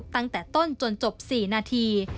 ตั้งแต่ต้นจนจบ๔นาที